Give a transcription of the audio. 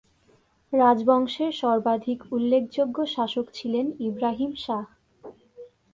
রাজবংশের সর্বাধিক উল্লেখযোগ্য শাসক ছিলেন ইব্রাহিম শাহ।